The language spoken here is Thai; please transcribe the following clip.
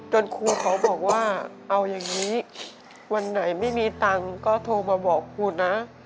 ครูเขาบอกว่าเอาอย่างนี้วันไหนไม่มีตังค์ก็โทรมาบอกครูนะ